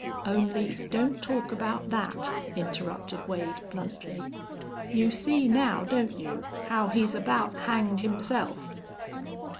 Only don't talk about that," interrupted Wade, bluntly. "You see, now, don't you, how he's about hanged himself."